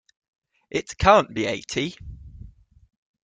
It can't be eighty.